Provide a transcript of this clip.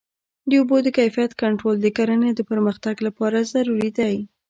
د اوبو د کیفیت کنټرول د کرنې د پرمختګ لپاره ضروري دی.